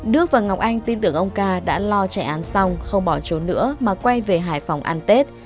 đức và ngọc anh tin tưởng ông ca đã lo chạy án xong không bỏ trốn nữa mà quay về hải phòng ăn tết